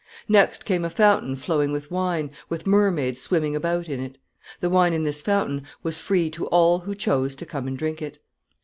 Next came a fountain flowing with wine, with mermaids swimming about in it. The wine in this fountain was free to all who chose to come and drink it.